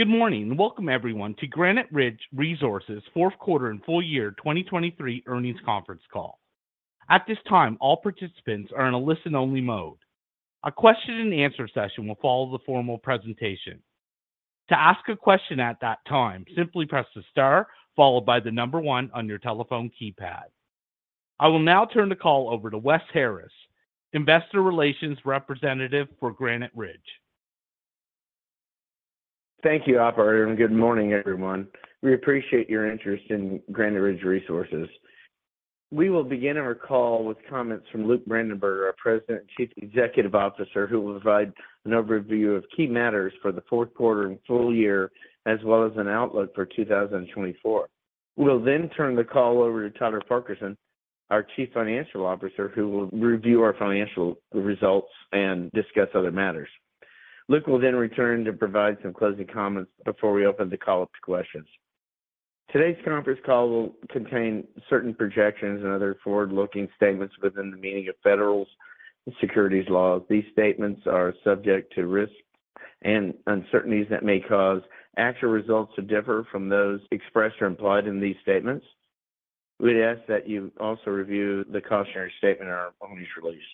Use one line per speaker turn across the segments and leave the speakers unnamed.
Good morning and welcome everyone to Granite Ridge Resources 4th quarter and full year 2023 earnings conference call. At this time, all participants are in a listen-only mode. A question-and-answer session will follow the formal presentation. To ask a question at that time, simply press the star followed by the number one on your telephone keypad. I will now turn the call over to Wes Harris, Investor Relations Representative for Granite Ridge.
Thank you, operator, and good morning, everyone. We appreciate your interest in Granite Ridge Resources. We will begin our call with comments from Luke Brandenberg, our President and Chief Executive Officer, who will provide an overview of key matters for the 4th quarter and full year, as well as an outlook for 2024. We'll then turn the call over to Tyler Farquharson, our Chief Financial Officer, who will review our financial results and discuss other matters. Luke will then return to provide some closing comments before we open the call up to questions. Today's conference call will contain certain projections and other forward-looking statements within the meaning of federal securities laws. These statements are subject to risks and uncertainties that may cause actual results to differ from those expressed or implied in these statements. We'd ask that you also review the cautionary statement in our earnings release.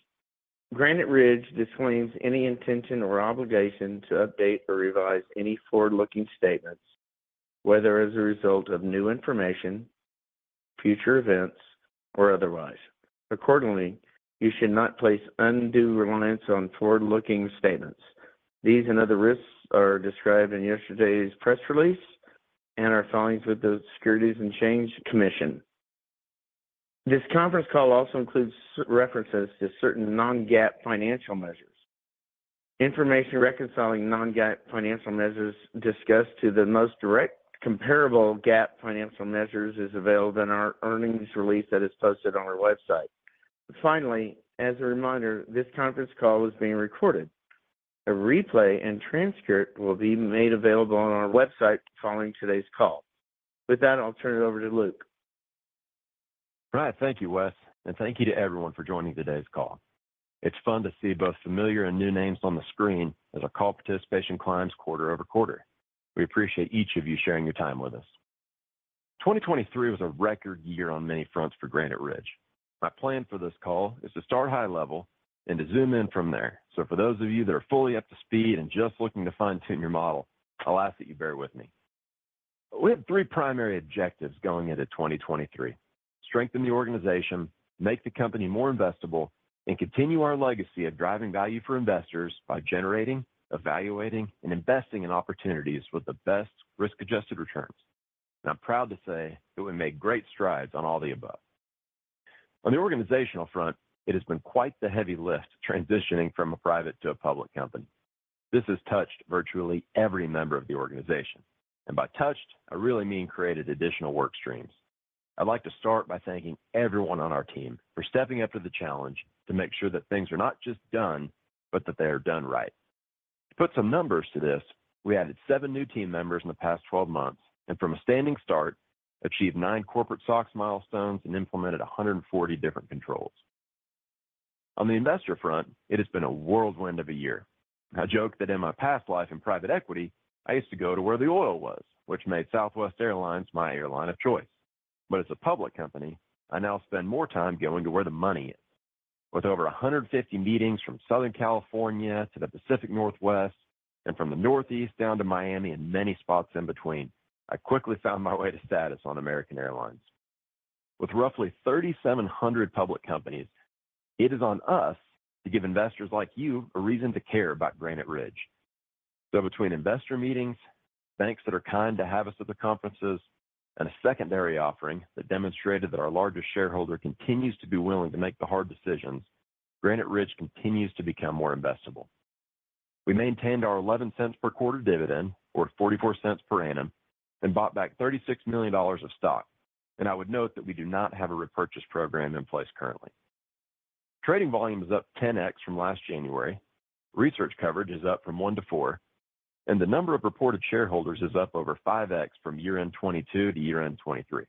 Granite Ridge disclaims any intention or obligation to update or revise any forward-looking statements, whether as a result of new information, future events, or otherwise. Accordingly, you should not place undue reliance on forward-looking statements. These and other risks are described in yesterday's press release and our filings with the Securities and Exchange Commission. This conference call also includes references to certain non-GAAP financial measures. Information reconciling non-GAAP financial measures discussed to the most direct comparable GAAP financial measures is available in our earnings release that is posted on our website. Finally, as a reminder, this conference call is being recorded. A replay and transcript will be made available on our website following today's call. With that, I'll turn it over to Luke.
All right. Thank you, Wes, and thank you to everyone for joining today's call. It's fun to see both familiar and new names on the screen as our call participation climbs quarter-over-quarter. We appreciate each of you sharing your time with us. 2023 was a record year on many fronts for Granite Ridge. My plan for this call is to start high level and to zoom in from there. So for those of you that are fully up to speed and just looking to fine-tune your model, I'll ask that you bear with me. We have three primary objectives going into 2023: strengthen the organization, make the company more investable, and continue our legacy of driving value for investors by generating, evaluating, and investing in opportunities with the best risk-adjusted returns. I'm proud to say that we made great strides on all the above. On the organizational front, it has been quite the heavy lift transitioning from a private to a public company. This has touched virtually every member of the organization. And by touched, I really mean created additional work streams. I'd like to start by thanking everyone on our team for stepping up to the challenge to make sure that things are not just done, but that they are done right. To put some numbers to this, we added seven new team members in the past 12 months and, from a standing start, achieved nine corporate SOX milestones and implemented 140 different controls. On the investor front, it has been a whirlwind of a year. I joke that in my past life in private equity, I used to go to where the oil was, which made Southwest Airlines my airline of choice. But as a public company, I now spend more time going to where the money is. With over 150 meetings from Southern California to the Pacific Northwest and from the Northeast down to Miami and many spots in between, I quickly found my way to status on American Airlines. With roughly 3,700 public companies, it is on us to give investors like you a reason to care about Granite Ridge. Between investor meetings, banks that are kind to have us at the conferences, and a secondary offering that demonstrated that our largest shareholder continues to be willing to make the hard decisions, Granite Ridge continues to become more investable. We maintained our $0.11 per quarter dividend, or $0.44 per annum, and bought back $36 million of stock. I would note that we do not have a repurchase program in place currently. Trading volume is up 10x from last January. Research coverage is up from one to four. The number of reported shareholders is up over 5x from year-end 2022 to year-end 2023.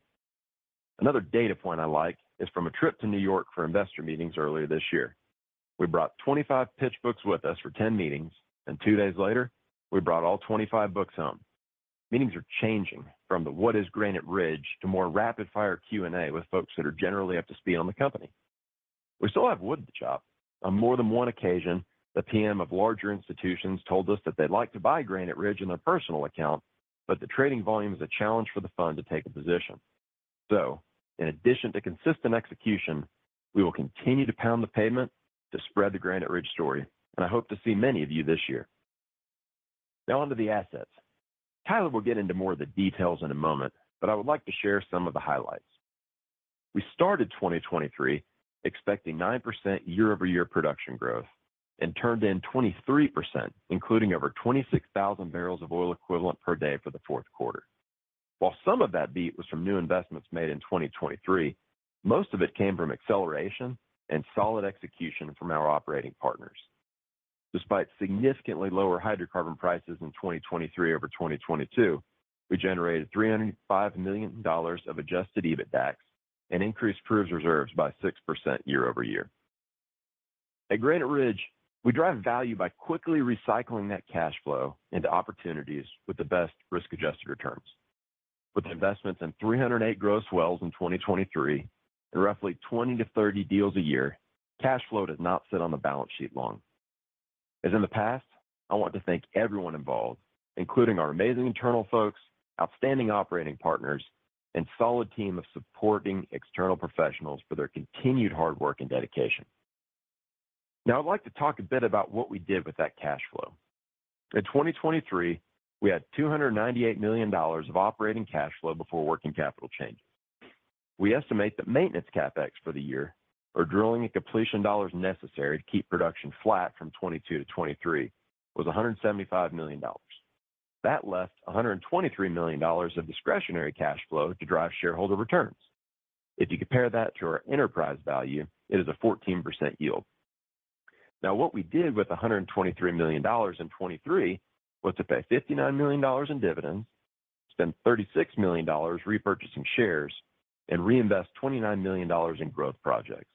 Another data point I like is from a trip to New York for investor meetings earlier this year. We brought 25 pitchbooks with us for 10 meetings, and two days later, we brought all 25 books home. Meetings are changing from the "What is Granite Ridge?" to more rapid-fire Q&A with folks that are generally up to speed on the company. We still have wood to chop. On more than one occasion, the PM of larger institutions told us that they'd like to buy Granite Ridge in their personal account, but the trading volume is a challenge for the fund to take a position. So, in addition to consistent execution, we will continue to pound the pavement to spread the Granite Ridge story, and I hope to see many of you this year. Now onto the assets. Tyler will get into more of the details in a moment, but I would like to share some of the highlights. We started 2023 expecting 9% year-over-year production growth and turned in 23%, including over 26,000 Boepd for the 4th quarter. While some of that beat was from new investments made in 2023, most of it came from acceleration and solid execution from our operating partners. Despite significantly lower hydrocarbon prices in 2023 over 2022, we generated $305 million of adjusted EBITDA and increased proved reserves by 6% year-over-year. At Granite Ridge, we drive value by quickly recycling that cash flow into opportunities with the best risk-adjusted returns. With investments in 308 gross wells in 2023 and roughly 20-30 deals a year, cash flow does not sit on the balance sheet long. As in the past, I want to thank everyone involved, including our amazing internal folks, outstanding operating partners, and solid team of supporting external professionals for their continued hard work and dedication. Now I'd like to talk a bit about what we did with that cash flow. In 2023, we had $298 million of operating cash flow before working capital changes. We estimate that maintenance CapEx for the year, or drilling and completion dollars necessary to keep production flat from 2022-2023, was $175 million. That left $123 million of discretionary cash flow to drive shareholder returns. If you compare that to our enterprise value, it is a 14% yield. Now what we did with $123 million in 2023 was to pay $59 million in dividends, spend $36 million repurchasing shares, and reinvest $29 million in growth projects.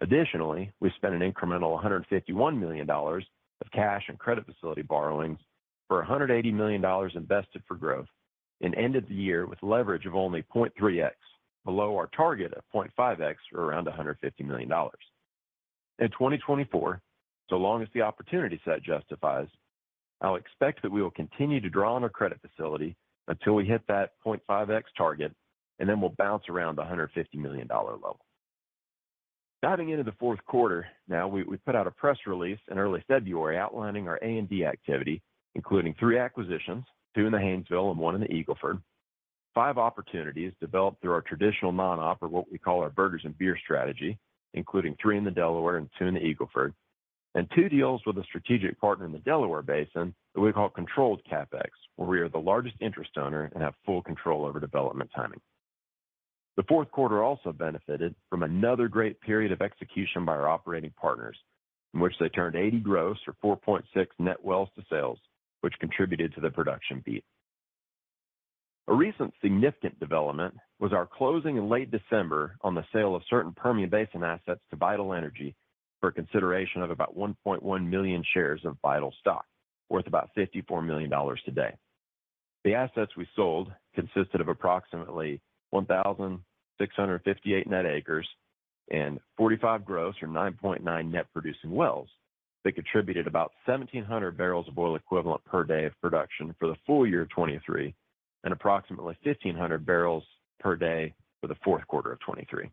Additionally, we spent an incremental $151 million of cash and credit facility borrowings for $180 million invested for growth and ended the year with leverage of only 0.3x, below our target of 0.5x or around $150 million. In 2024, so long as the opportunity set justifies, I'll expect that we will continue to draw on our credit facility until we hit that 0.5x target, and then we'll bounce around the $150 million level. Diving into the 4th quarter now, we put out a press release in early February outlining our A&D activity, including three acquisitions, two in the Haynesville and one in the Eagle Ford, five opportunities developed through our traditional non-op or what we call our Burgers and Beer strategy, including three in the Delaware and two in the Eagle Ford, and two deals with a strategic partner in the Delaware Basin that we call controlled CapEx, where we are the largest interest owner and have full control over development timing. The 4th quarter also benefited from another great period of execution by our operating partners, in which they turned 80 gross or 4.6 net wells to sales, which contributed to the production beat. A recent significant development was our closing in late December on the sale of certain Permian Basin assets to Vital Energy for a consideration of about 1.1 million shares of Vital stock, worth about $54 million today. The assets we sold consisted of approximately 1,658 net acres and 45 gross or 9.9 net producing wells that contributed about 1,700 bbl of oil equivalent per day of production for the full year of 2023 and approximately 1,500 bbl per day for the 4th quarter of 2023.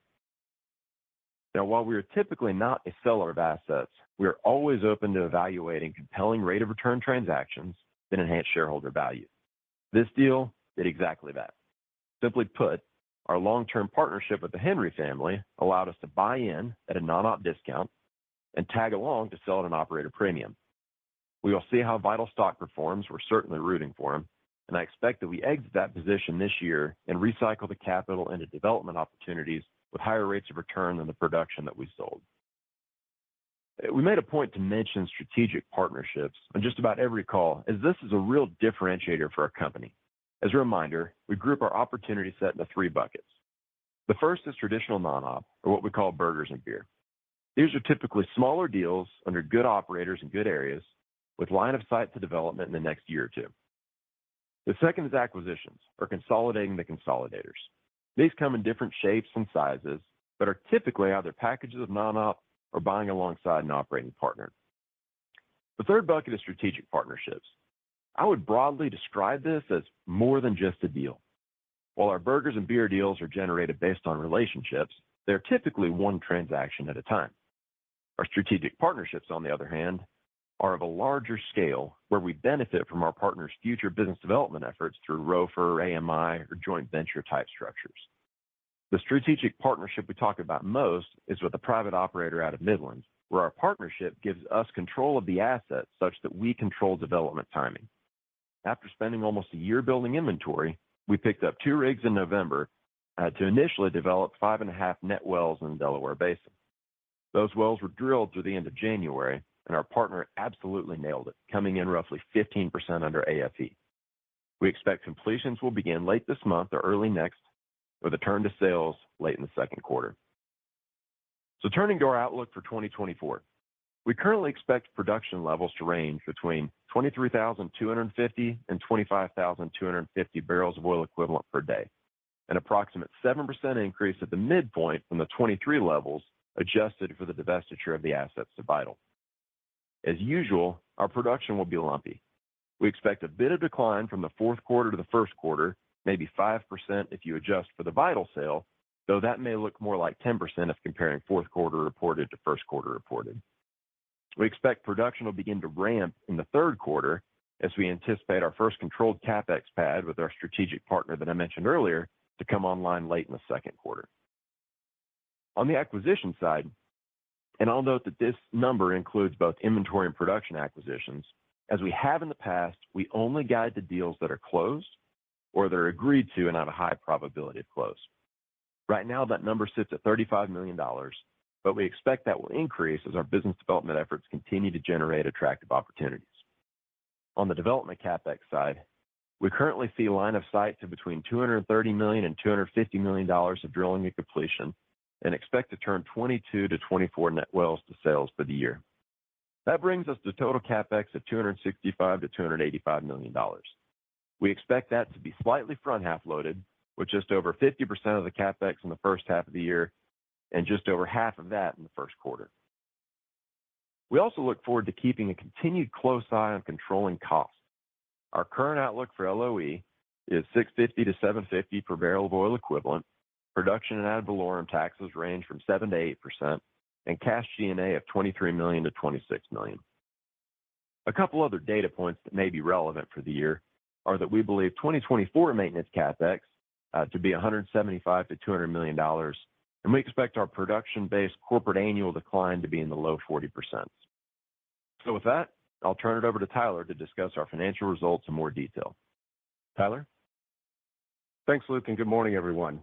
Now while we are typically not a seller of assets, we are always open to evaluating compelling rate of return transactions that enhance shareholder value. This deal did exactly that. Simply put, our long-term partnership with the Henry family allowed us to buy in at a non-op discount and tag along to sell at an operator premium. We will see how Vital stock performs. We're certainly rooting for him, and I expect that we exit that position this year and recycle the capital into development opportunities with higher rates of return than the production that we sold. We made a point to mention strategic partnerships on just about every call, as this is a real differentiator for our company. As a reminder, we group our opportunity set into three buckets. The first is traditional non-op or what we call Burgers and Beer. These are typically smaller deals under good operators in good areas, with line of sight to development in the next year or two. The second is acquisitions or consolidating the consolidators. These come in different shapes and sizes but are typically either packages of non-op or buying alongside an operating partner. The third bucket is strategic partnerships. I would broadly describe this as more than just a deal. While our bigger and better deals are generated based on relationships, they are typically one transaction at a time. Our strategic partnerships, on the other hand, are of a larger scale where we benefit from our partner's future business development efforts through ROFR, AMI, or joint venture-type structures. The strategic partnership we talk about most is with a private operator out of Midland, where our partnership gives us control of the assets such that we control development timing. After spending almost a year building inventory, we picked up two rigs in November to initially develop 5.5 net wells in the Delaware Basin. Those wells were drilled through the end of January, and our partner absolutely nailed it, coming in roughly 15% under AFE. We expect completions will begin late this month or early next with a turn to sales late in the second quarter. Turning to our outlook for 2024, we currently expect production levels to range between 23,250 and 25,250 barrels of oil equivalent per day, an approximate 7% increase at the midpoint from the 23 levels adjusted for the divestiture of the assets to Vital. As usual, our production will be lumpy. We expect a bit of decline from the 4th quarter to the 1st quarter, maybe 5% if you adjust for the Vital sale, though that may look more like 10% if comparing 4th quarter reported to 1st quarter reported. We expect production will begin to ramp in the 3rd quarter as we anticipate our first controlled CapEx pad with our strategic partner that I mentioned earlier to come online late in the 2nd quarter. On the acquisition side, and I'll note that this number includes both inventory and production acquisitions, as we have in the past, we only guide the deals that are closed or that are agreed to and have a high probability of close. Right now, that number sits at $35 million, but we expect that will increase as our business development efforts continue to generate attractive opportunities. On the development CapEx side, we currently see line of sight to between $230-$250 million of drilling and completion and expect to turn 22-24 net wells to sales for the year. That brings us to a total CapEx of $265-$285 million. We expect that to be slightly front half loaded, with just over 50% of the CapEx in the first half of the year and just over half of that in the 1st quarter. We also look forward to keeping a continued close eye on controlling costs. Our current outlook for LOE is $650-$750 per barrel of oil equivalent, production and ad valorem taxes range from 7%-8%, and cash G&A of $23 million-$26 million. A couple other data points that may be relevant for the year are that we believe 2024 maintenance CapEx to be $175 million-$200 million, and we expect our production-based corporate annual decline to be in the low 40%. So with that, I'll turn it over to Tyler to discuss our financial results in more detail. Tyler?
Thanks, Luke, and good morning, everyone.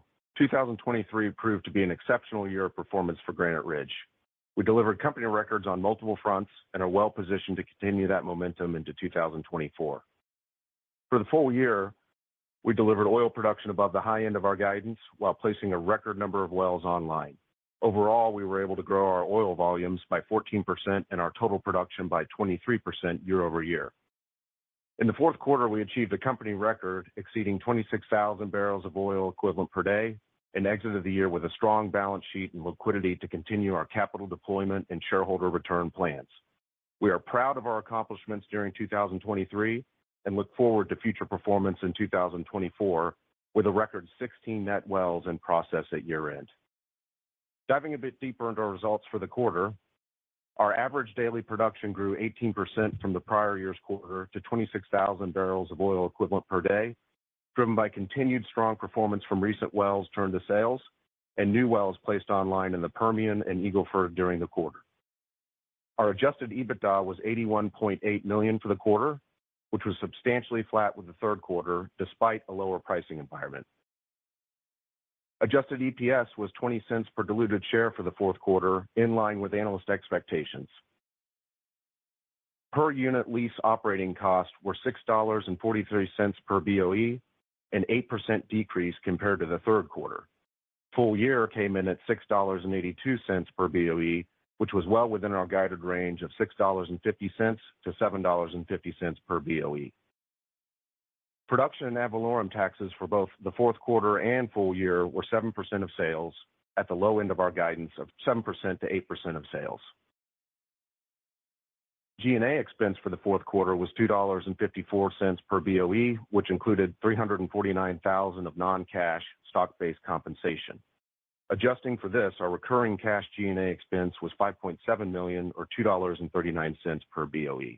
2023 proved to be an exceptional year of performance for Granite Ridge. We delivered company records on multiple fronts and are well positioned to continue that momentum into 2024. For the full year, we delivered oil production above the high end of our guidance while placing a record number of wells online. Overall, we were able to grow our oil volumes by 14% and our total production by 23% year-over-year. In the 4th quarter, we achieved a company record exceeding 26,000 barrels of oil equivalent per day and exited the year with a strong balance sheet and liquidity to continue our capital deployment and shareholder return plans. We are proud of our accomplishments during 2023 and look forward to future performance in 2024 with a record 16 net wells in process at year-end. Diving a bit deeper into our results for the quarter, our average daily production grew 18% from the prior year's quarter to 26,000 barrels of oil equivalent per day, driven by continued strong performance from recent wells turned to sales and new wells placed online in the Permian and Eagle Ford during the quarter. Our adjusted EBITDA was $81.8 million for the quarter, which was substantially flat with the third quarter despite a lower pricing environment. Adjusted EPS was $0.20 per diluted share for the fourth quarter, in line with analyst expectations. Per unit lease operating costs were $6.43 per BOE, an 8% decrease compared to the third quarter. Full year came in at $6.82 per BOE, which was well within our guided range of $6.50-$7.50 per BOE. Production and ad valorem taxes for both the 4th quarter and full year were 7% of sales, at the low end of our guidance of 7%-8% of sales. G&A expense for the 4th quarter was $2.54 per BOE, which included $349,000 of non-cash stock-based compensation. Adjusting for this, our recurring cash G&A expense was $5.7 million or $2.39 per BOE.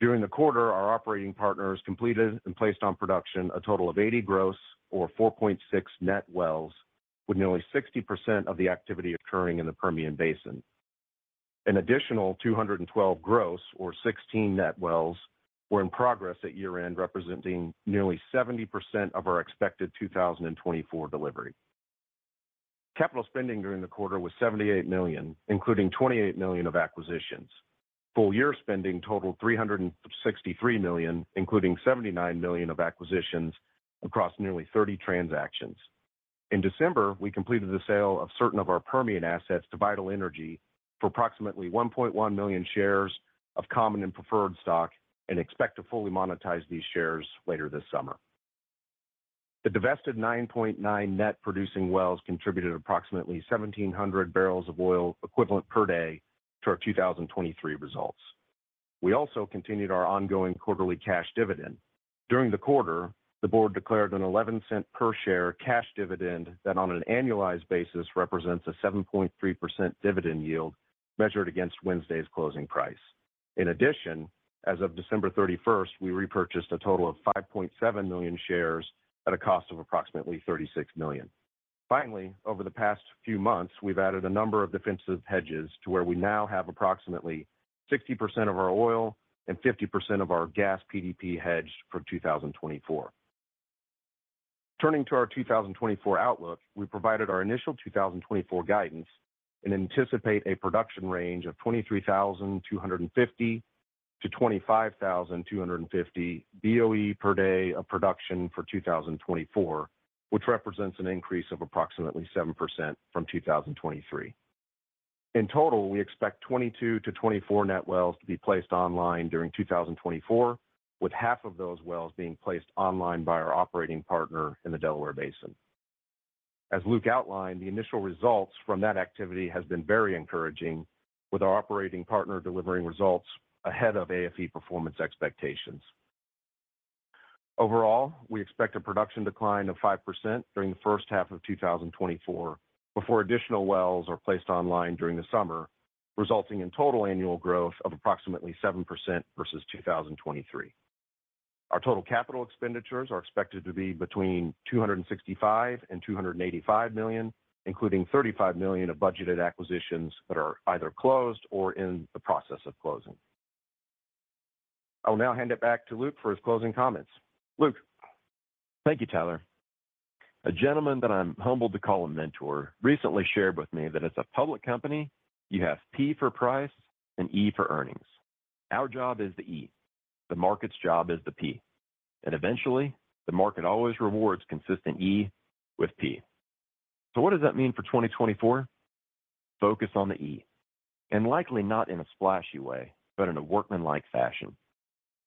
During the quarter, our operating partners completed and placed on production a total of 80 gross or 4.6 net wells with nearly 60% of the activity occurring in the Permian Basin. An additional 212 gross or 16 net wells were in progress at year-end, representing nearly 70% of our expected 2024 delivery. Capital spending during the quarter was $78 million, including $28 million of acquisitions. Full year spending totaled $363 million, including $79 million of acquisitions across nearly 30 transactions. In December, we completed the sale of certain of our Permian assets to Vital Energy for approximately 1.1 million shares of common and preferred stock and expect to fully monetize these shares later this summer. The divested 9.9 net producing wells contributed approximately 1,700 barrels of oil equivalent per day to our 2023 results. We also continued our ongoing quarterly cash dividend. During the quarter, the board declared a $0.11 per share cash dividend that, on an annualized basis, represents a 7.3% dividend yield measured against Wednesday's closing price. In addition, as of December 31st, we repurchased a total of 5.7 million shares at a cost of approximately $36 million. Finally, over the past few months, we've added a number of defensive hedges to where we now have approximately 60% of our oil and 50% of our gas PDP hedged for 2024. Turning to our 2024 outlook, we provided our initial 2024 guidance and anticipate a production range of 23,250-25,250 BOE per day of production for 2024, which represents an increase of approximately 7% from 2023. In total, we expect 22-24 net wells to be placed online during 2024, with half of those wells being placed online by our operating partner in the Delaware Basin. As Luke outlined, the initial results from that activity have been very encouraging, with our operating partner delivering results ahead of AFE performance expectations. Overall, we expect a production decline of 5% during the 1st half of 2024 before additional wells are placed online during the summer, resulting in total annual growth of approximately 7% versus 2023. Our total capital expenditures are expected to be between $265 million-$285 million, including $35 million of budgeted acquisitions that are either closed or in the process of closing. I will now hand it back to Luke for his closing comments. Luke?
Thank you, Tyler. A gentleman that I'm humbled to call a mentor recently shared with me that it's a public company. You have P for price and E for earnings. Our job is the E. The market's job is the P. And eventually, the market always rewards consistent E with P. So what does that mean for 2024? Focus on the E, and likely not in a splashy way but in a workmanlike fashion.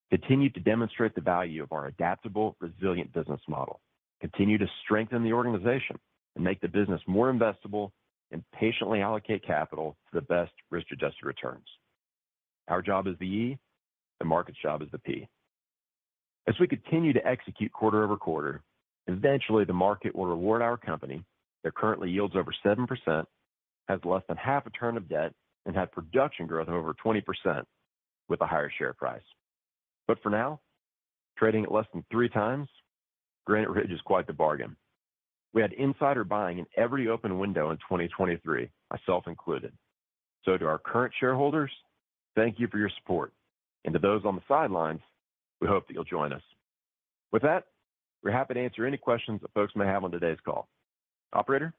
Continue to demonstrate the value of our adaptable, resilient business model. Continue to strengthen the organization and make the business more investable and patiently allocate capital to the best risk-adjusted returns. Our job is the E. The market's job is the P. As we continue to execute quarter-over-quarter, eventually the market will reward our company that currently yields over 7%, has less than half a turn of debt, and had production growth of over 20% with a higher share price. But for now, trading at less than three times, Granite Ridge is quite the bargain. We had insider buying in every open window in 2023, myself included. So to our current shareholders, thank you for your support, and to those on the sidelines, we hope that you'll join us. With that, we're happy to answer any questions that folks may have on today's call. Operator?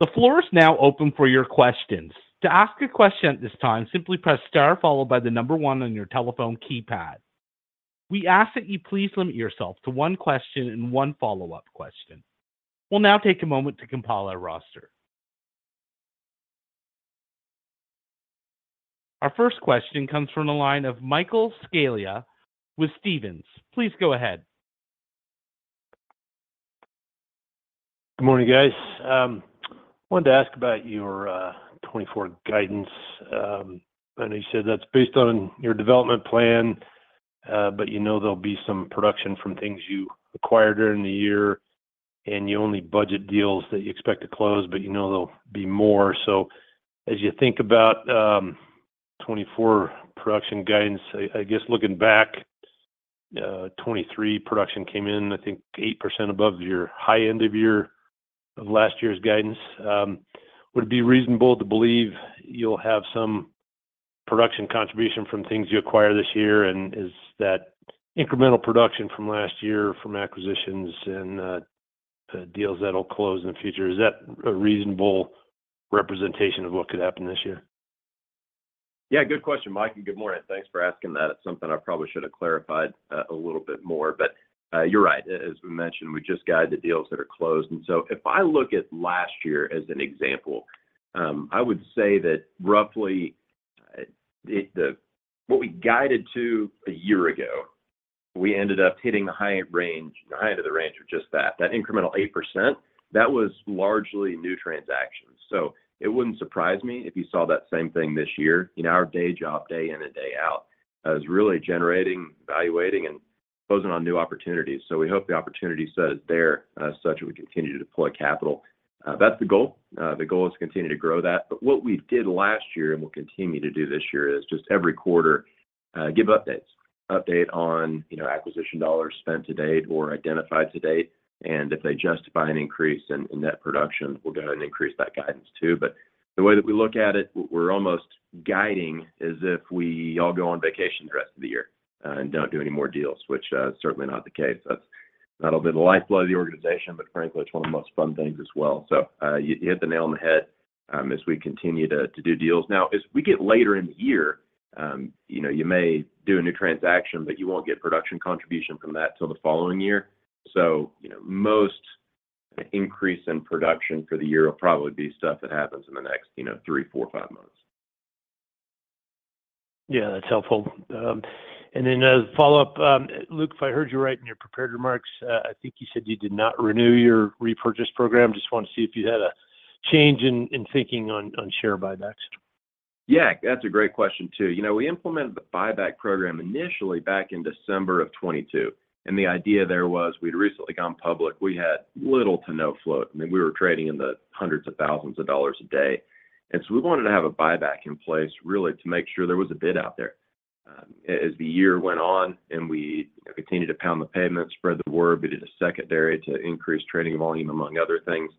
The floor is now open for your questions. To ask a question at this time, simply press star followed by the number one on your telephone keypad. We ask that you please limit yourself to one question and one follow-up question. We'll now take a moment to compile our roster. Our first question comes from the line of Michael Scialla with Stephens. Please go ahead.
Good morning, guys. I wanted to ask about your 2024 guidance. I know you said that's based on your development plan, but you know there'll be some production from things you acquired during the year, and you only budget deals that you expect to close, but you know there'll be more. So as you think about 2024 production guidance, I guess looking back, 2023 production came in, I think, 8% above your high end of your last year's guidance. Would it be reasonable to believe you'll have some production contribution from things you acquire this year, and is that incremental production from last year from acquisitions and deals that'll close in the future? Is that a reasonable representation of what could happen this year?
Yeah, good question, Mike, and good morning. Thanks for asking that. It's something I probably should have clarified a little bit more. But, you're right. As we mentioned, we just guided deals that are closed. And so if I look at last year as an example, I would say that roughly, it, the what we guided to a year ago, we ended up hitting the high end range, the high end of the range of just that, that incremental 8%. That was largely new transactions. So it wouldn't surprise me if you saw that same thing this year. You know, our day job, day in and day out, is really generating, evaluating, and closing on new opportunities. So we hope the opportunity set is there, such that we continue to deploy capital. That's the goal. The goal is to continue to grow that. But what we did last year and will continue to do this year is just every quarter, give updates on, you know, acquisition dollars spent to date or identified to date. And if they justify an increase in net production, we'll go ahead and increase that guidance too. But the way that we look at it, we're almost guiding as if we all go on vacation the rest of the year, and don't do any more deals, which is certainly not the case. That's not a bit of the lifeblood of the organization, but frankly, it's one of the most fun things as well. So, you hit the nail on the head, as we continue to do deals. Now, as we get later in the year, you know, you may do a new transaction, but you won't get production contribution from that till the following year. You know, most increase in roduction for the year will probably be stuff that happens in the next, you know, three, four, five months.
Yeah, that's helpful. And then as a follow-up, Luke, if I heard you right in your prepared remarks, I think you said you did not renew your repurchase program. Just wanted to see if you had a change in thinking on share buybacks.
Yeah, that's a great question too. You know, we implemented the buyback program initially back in December of 2022. And the idea there was we'd recently gone public. We had little to no float. I mean, we were trading in the hundreds of thousands of dollars a day. And so we wanted to have a buyback in place, really, to make sure there was a bid out there. As the year went on and we, you know, continued to pound the pavement, spread the word, we did a secondary to increase trading volume, among other things.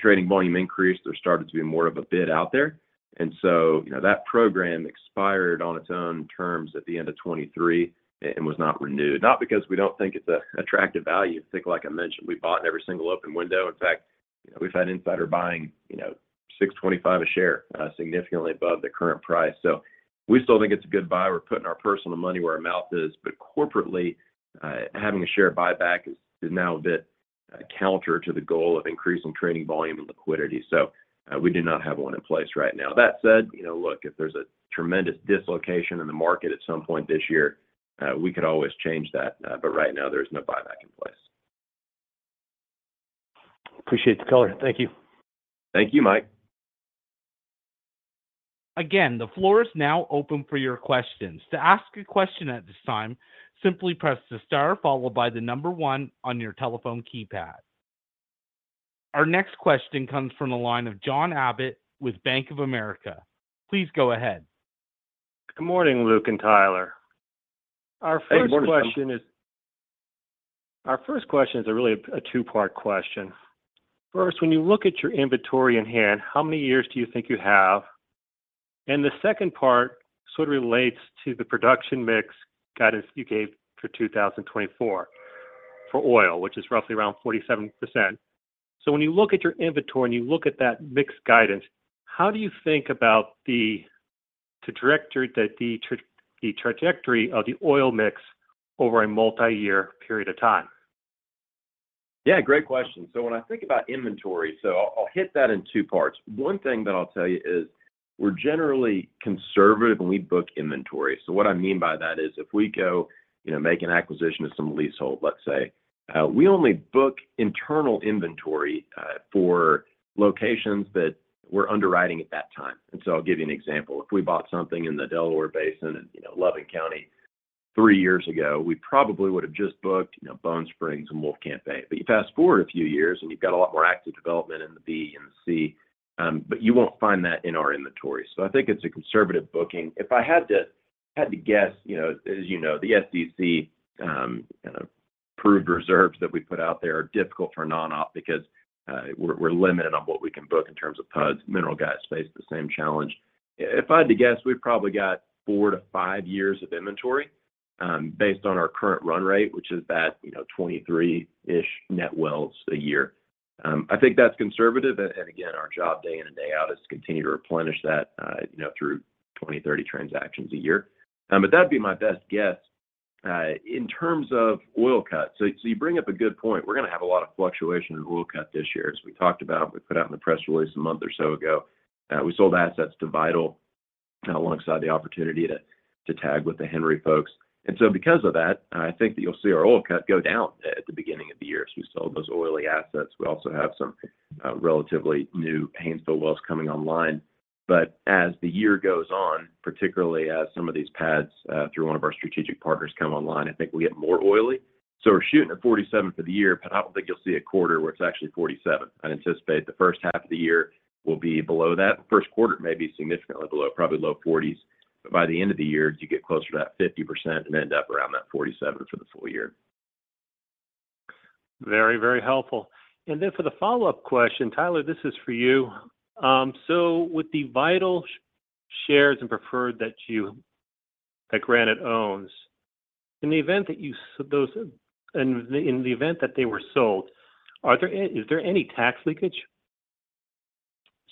Trading volume increased. There started to be more of a bid out there. And so, you know, that program expired on its own terms at the end of 2023 and was not renewed. Not because we don't think it's an attractive value. I think, like I mentioned, we bought in every single open window. In fact, you know, we've had insider buying, you know, $6.25 a share, significantly above the current price. So we still think it's a good buy. We're putting our personal money where our mouth is. But corporately, having a share buyback is now a bit counter to the goal of increasing trading volume and liquidity. So, we do not have one in place right now. That said, you know, look, if there's a tremendous dislocation in the market at some point this year, we could always change that. But right now, there is no buyback in place.
Appreciate the color. Thank you.
Thank you, Mike.
Again, the floor is now open for your questions. To ask a question at this time, simply press star followed by the number one on your telephone keypad. Our next question comes from the line of John Abbott with Bank of America. Please go ahead.
Good morning, Luke and Tyler. Our first question is.
Hey, morning.
Our first question is really a two-part question. First, when you look at your inventory in hand, how many years do you think you have? And the second part sort of relates to the production mix guidance you gave for 2024 for oil, which is roughly around 47%. So when you look at your inventory and you look at that mixed guidance, how do you think about the trajectory of the oil mix over a multi-year period of time?
Yeah, great question. So when I think about inventory so I'll hit that in two parts. One thing that I'll tell you is we're generally conservative when we book inventory. So what I mean by that is if we go, you know, make an acquisition of some leasehold, let's say, we only book internal inventory for locations that we're underwriting at that time. And so I'll give you an example. If we bought something in the Delaware Basin in, you know, Loving County three years ago, we probably would have just booked, you know, Bone Spring and Wolfcamp. But you fast forward a few years, and you've got a lot more active development in the B and the C, but you won't find that in our inventory. So I think it's a conservative booking. If I had to guess, you know, as you know, the SEC-approved reserves that we put out there are difficult for non-op because we're limited on what we can book in terms of PUDs. Mineral Guides faced the same challenge. If I had to guess, we've probably got 4-5 years of inventory, based on our current run rate, which is that, you know, 23-ish net wells a year. I think that's conservative. And again, our job day in and day out is to continue to replenish that, you know, through 20-30 transactions a year. But that'd be my best guess, in terms of oil cut. So you bring up a good point. We're going to have a lot of fluctuation in oil cut this year, as we talked about. We put out in the press release a month or so ago. We sold assets to Vital, alongside the opportunity to tag with the Henry folks. And so because of that, I think that you'll see our oil cut go down at the beginning of the year as we sell those oily assets. We also have some relatively new handful wells coming online. But as the year goes on, particularly as some of these pads through one of our strategic partners come online, I think we get more oily. So we're shooting at 47% for the year, but I don't think you'll see a quarter where it's actually 47%. I'd anticipate the first half of the year will be below that. First quarter may be significantly below, probably low 40s%. By the end of the year, you get closer to that 50% and end up around that 47% for the full year.
Very, very helpful. Then for the follow-up question, Tyler, this is for you. So with the Vital shares and preferred that Granite owns, in the event that you sell those and in the event that they were sold, is there any tax leakage?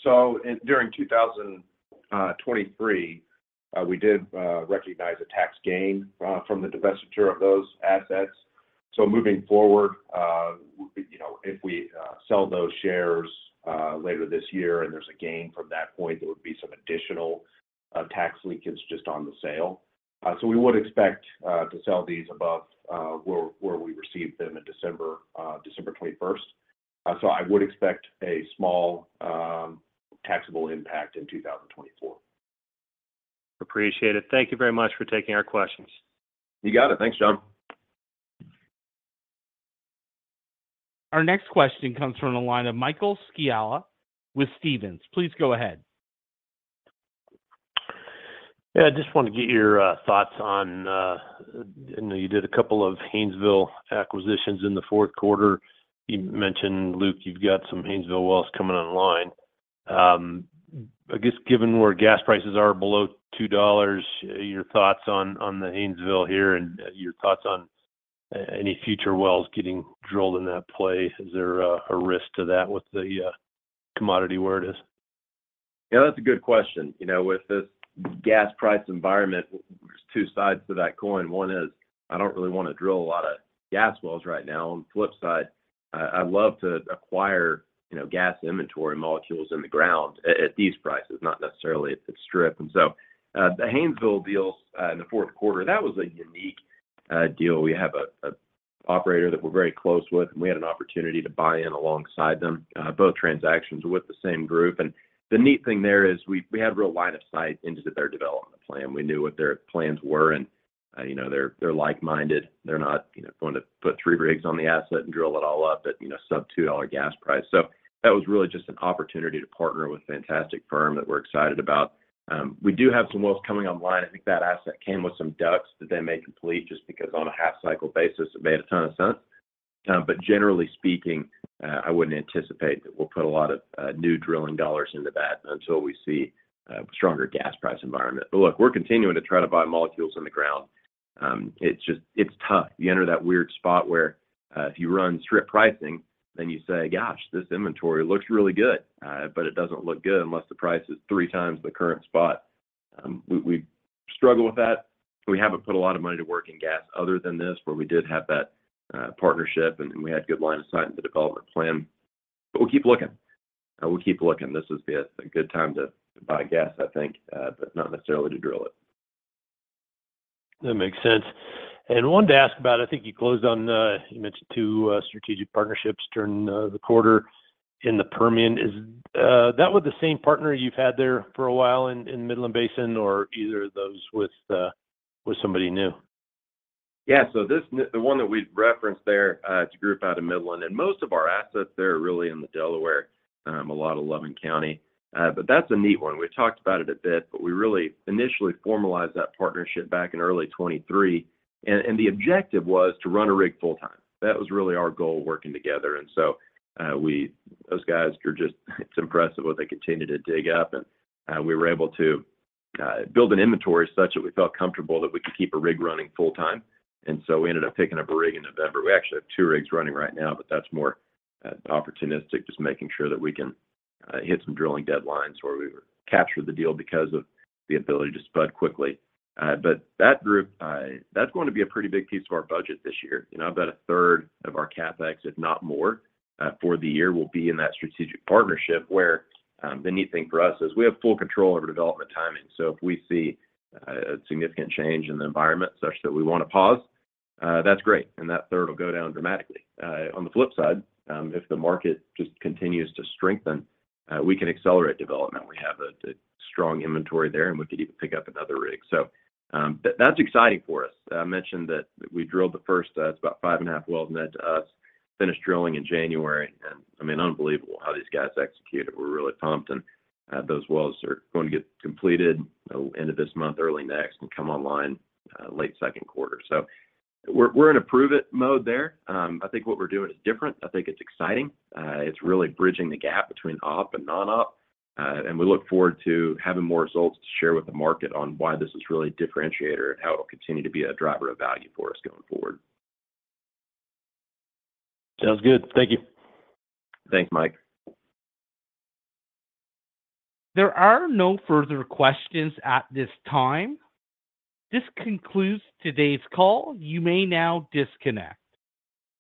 So, in 2023, we did recognize a tax gain from the divestiture of those assets. So moving forward, we, you know, if we sell those shares later this year and there's a gain from that point, there would be some additional tax leakage just on the sale. So we would expect to sell these above where we received them in December 21st. So I would expect a small taxable impact in 2024.
Appreciate it. Thank you very much for taking our questions.
You got it. Thanks, John.
Our next question comes from the line of Michael Scialla with Stephens. Please go ahead.
Yeah, I just wanted to get your thoughts on. I know you did a couple of Haynesville acquisitions in the fourth quarter. You mentioned, Luke, you've got some Haynesville wells coming online. I guess given where gas prices are below $2, your thoughts on the Haynesville here and your thoughts on any future wells getting drilled in that play. Is there a risk to that with the commodity where it is?
Yeah, that's a good question. You know, with this gas price environment, there's two sides to that coin. One is I don't really want to drill a lot of gas wells right now. On the flip side, I love to acquire, you know, gas inventory molecules in the ground at these prices, not necessarily at strip. And so, the Haynesville deals, in the fourth quarter, that was a unique deal. We have an operator that we're very close with, and we had an opportunity to buy in alongside them, both transactions with the same group. And the neat thing there is we had real line of sight into their development plan. We knew what their plans were. And, you know, they're like-minded. They're not, you know, going to put three rigs on the asset and drill it all up at, you know, sub-$2 gas price. So that was really just an opportunity to partner with a fantastic firm that we're excited about. We do have some wells coming online. I think that asset came with some DUCs that they may complete just because on a half-cycle basis, it made a ton of sense. But generally speaking, I wouldn't anticipate that we'll put a lot of new drilling dollars into that until we see a stronger gas price environment. But look, we're continuing to try to buy molecules in the ground. It's just it's tough. You enter that weird spot where, if you run strip pricing, then you say, "Gosh, this inventory looks really good, but it doesn't look good unless the price is three times the current spot." We struggle with that. We haven't put a lot of money to work in gas other than this where we did have that partnership, and we had good line of sight in the development plan. But we'll keep looking. We'll keep looking. This would be a good time to buy gas, I think, but not necessarily to drill it.
That makes sense. And one to ask about, I think you closed on, you mentioned two strategic partnerships during the quarter in the Permian. Is that with the same partner you've had there for a while in the Midland Basin or either of those with somebody new?
Yeah, so this and the one that we've referenced there, it's a group out of Midland. And most of our assets there are really in the Delaware, a lot of Loving County. But that's a neat one. We've talked about it a bit, but we really initially formalized that partnership back in early 2023. And the objective was to run a rig full-time. That was really our goal working together. And so, those guys were just—it's impressive what they continue to dig up. And we were able to build an inventory such that we felt comfortable that we could keep a rig running full-time. And so we ended up picking up a rig in November. We actually have two rigs running right now, but that's more opportunistic, just making sure that we can hit some drilling deadlines where we capture the deal because of the ability to spud quickly. But that group, that's going to be a pretty big piece of our budget this year. You know, about a third of our CapEx, if not more, for the year will be in that strategic partnership where the neat thing for us is we have full control over development timing. So if we see a significant change in the environment such that we want to pause, that's great. And that third will go down dramatically. On the flip side, if the market just continues to strengthen, we can accelerate development. We have a strong inventory there, and we could even pick up another rig. So that's exciting for us. I mentioned that we drilled the first. It's about 5.5 wells net to us, finished drilling in January. I mean, unbelievable how these guys executed. We're really pumped. Those wells are going to get completed, you know, end of this month, early next, and come online, late second quarter. So we're in prove-it mode there. I think what we're doing is different. I think it's exciting. It's really bridging the gap between op and non-op. We look forward to having more results to share with the market on why this is really a differentiator and how it'll continue to be a driver of value for us going forward.
Sounds good. Thank you.
Thanks, Mike.
There are no further questions at this time. This concludes today's call. You may now disconnect.